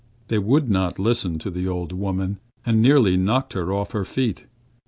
They would not listen to the old woman, and nearly knocked her off her feet.